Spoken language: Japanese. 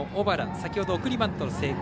先ほど送りバント成功。